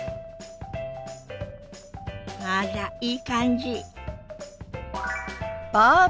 あらいい感じ。